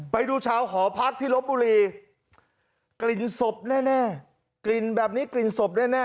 ไปดูชาวหอพักษณ์ที่ลบบุรีกลิ่นศพแน่ดังนี้กลิ่นศพแน่